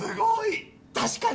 確かに！